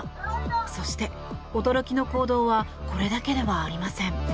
そして、驚きの行動はこれだけではありません。